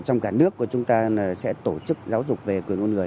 trong cả nước của chúng ta sẽ tổ chức giáo dục về quyền con người